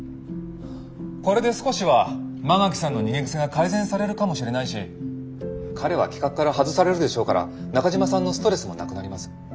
これで少しは馬垣さんの逃げ癖が改善されるかもしれないし彼は企画から外されるでしょうから中島さんのストレスもなくなります。